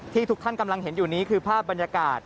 ทุกท่านกำลังเห็นอยู่นี้คือภาพบรรยากาศ